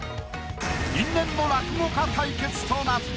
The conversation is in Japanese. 因縁の落語家対決となった。